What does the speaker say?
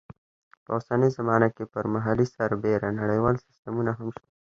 په اوسنۍ زمانه کې پر محلي سربېره نړیوال سیسټمونه هم شته.